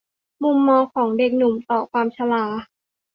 มุมมองของเด็กหนุ่มต่อความชรา